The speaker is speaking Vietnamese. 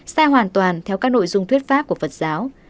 sai hoàn toàn theo các nội dung thuyết pháp của phật giáo